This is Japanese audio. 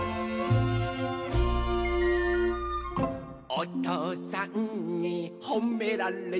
「おとうさんにほめられちゃった」